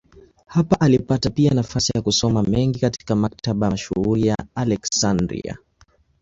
Hapa alipata pia nafasi ya kusoma mengi katika maktaba mashuhuri ya Aleksandria.